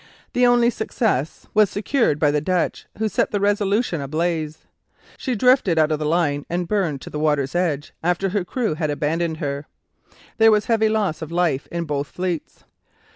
The only success was secured by the Dutch, who set the "Resolution" ablaze. She drifted out of the line and burned to the water's edge after her crew had abandoned her. There was heavy loss of life in both fleets.